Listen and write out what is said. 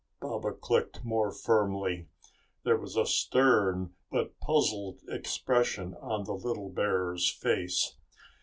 Baba clicked more firmly. There was a stern but puzzled expression on the little bear's face.